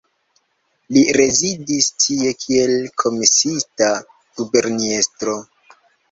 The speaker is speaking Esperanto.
Li rezidis tie kiel komisiita guberniestro.